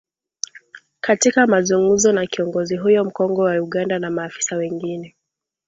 katika mazungumzo na kiongozi huyo mkongwe wa Uganda na maafisa wengine